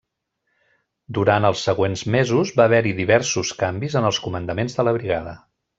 Durant els següents mesos va haver-hi diversos canvis en els comandaments de la brigada.